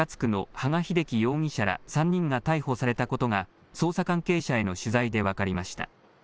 羽賀秀樹容疑者ら３人が逮捕されたことが捜査関係者への取材で分かりました。